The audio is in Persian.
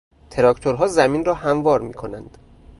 تراکتورها زمین را هموار میکنند.